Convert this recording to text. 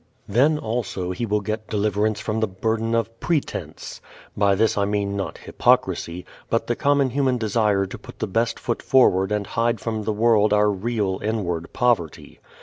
Then also he will get deliverance from the burden of pretense. By this I mean not hypocrisy, but the common human desire to put the best foot forward and hide from the world our real inward poverty.